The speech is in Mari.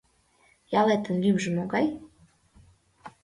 — Ялетын лӱмжӧ могай?